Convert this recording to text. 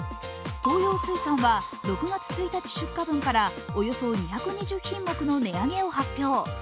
東洋水産は６月１日出荷分からおよそ２２０品目の値上げを発表。